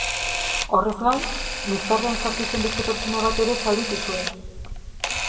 Horrez gain, liskarrean sartu zen beste pertsona bat ere zauritu zuen.